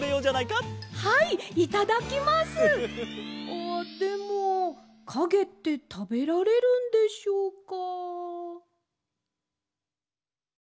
あっでもかげってたべられるんでしょうか？